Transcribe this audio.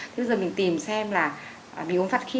thế bây giờ mình tìm xem là bị ốm vặt hay không